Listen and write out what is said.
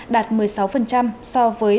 đạt một mươi sáu so với